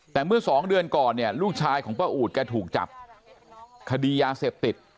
แต่เมื่อสองเดือนก่อนเนี่ยลูกชายของป้าอูดแกถูกจับคดียาเสพติด